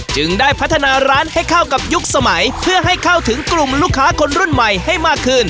จึงได้พัฒนาร้านให้เข้ากับยุคสมัยเพื่อให้เข้าถึงกลุ่มลูกค้าคนรุ่นใหม่ให้มากขึ้น